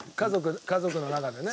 家族の中でね。